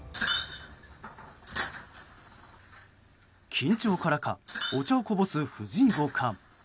緊張からかお茶をこぼす藤井五冠。